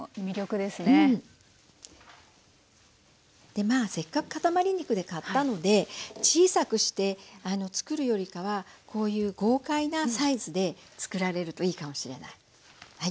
でまあせっかくかたまり肉で買ったので小さくして作るよりかはこういう豪快なサイズで作られるといいかもしれない。